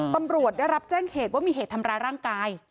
ตำรวจได้รับแจ้งเหตุว่ามีเหตุทำร้ายร่างกาย